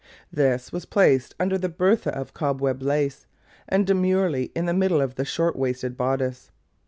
This was placed under the bertha of cobweb lace, and demurely in the middle of the short waisted bodice.